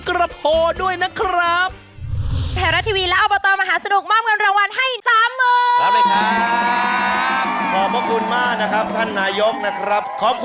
สิบแปนสิบแปนสิบหนึ่งกิโลสิบแปนเร็ว